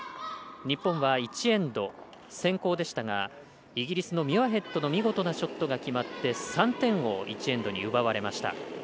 日本は１エンド、先攻でしたがイギリスのミュアヘッドの見事なショットが決まって３点を１エンドに奪われました。